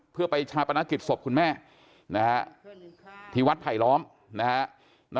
เพื่อไปชาปนักกิจศพคุณแม่นะครับที่วัดไผลล้อมนะครับ